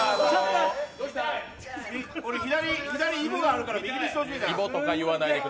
俺、左いぼがあるから右にしてほしいな。